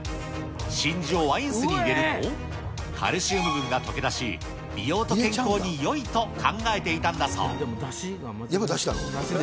真珠をワイン酢に入れると、カルシウム分が溶け出し、美容と健康によいと考えていたんだそう。